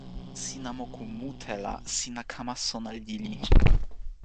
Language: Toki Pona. sina moku mute la sina kama sona lili.